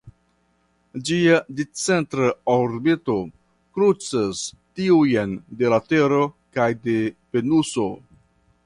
Ĝia discentra orbito krucas tiujn de la Tero kaj de Venuso.